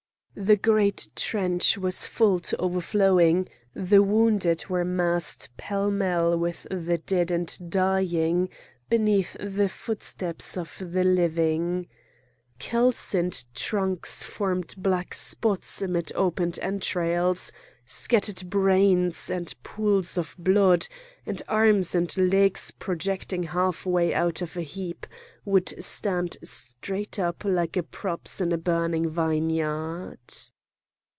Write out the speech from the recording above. The great trench was full to overflowing; the wounded were massed pell mell with the dead and dying beneath the footsteps of the living. Calcined trunks formed black spots amid opened entrails, scattered brains, and pools of blood; and arms and legs projecting half way out of a heap, would stand straight up like props in a burning vineyard.